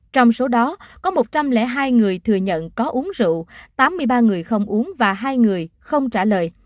trong số đó có một trăm linh hai người thừa nhận có uống rượu tám mươi ba người không uống và hai người không trả lời